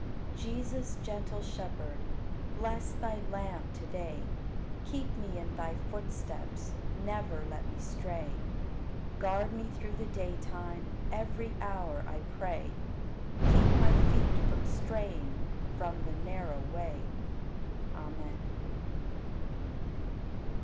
10. Jesus, gentle Shepherd, Bless Thy lamb to day; Keep me in Thy footsteps, Never let me stray. Guard me through the daytime. Every hour, I pray; Keep my feet from straying From the narrow way. Amen.